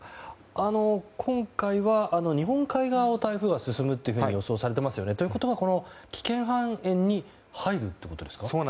今回は日本海側を台風が進むというふうに予想されていますよね。ということは危険半円に入るってことですか？